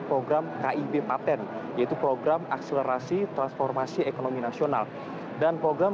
program kib paten yaitu program akselerasi transformasi ekonomi nasional dan program